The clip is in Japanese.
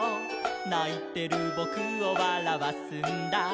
「ないてるぼくをわらわすんだ」